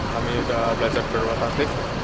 kami juga belajar berotatif